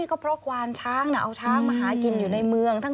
ก็เพราะควานช้างเอาช้างมาหากินอยู่ในเมือง